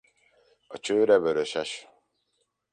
A csőre vöröses.